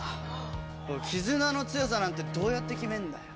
絆の強さなんてどうやって決めるんだよ？